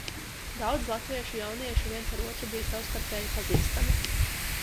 Daudz latviešu jauniešu viens ar otru bija savstarpēji pazīstami.